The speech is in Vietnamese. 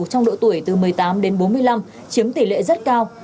trong độ tuổi từ một mươi tám đến bốn mươi năm chiếm tỷ lệ rất cao